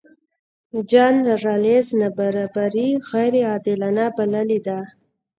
جان رالز نابرابري غیرعادلانه بللې ده.